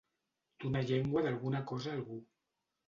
Donar llengua d'alguna cosa a algú.